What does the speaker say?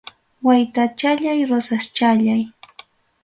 Waytachallay rosaschallay.